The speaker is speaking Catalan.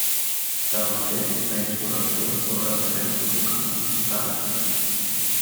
Tanmateix la insurrecció fou ràpidament sufocada per l'exèrcit.